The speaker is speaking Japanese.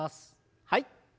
はい。